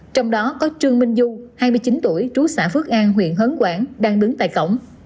trong đó có trương minh du hai mươi chín tuổi trú xã phước an huyện hớn quảng đang đứng tại cổng